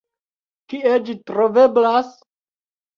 Kie ĝi troveblas?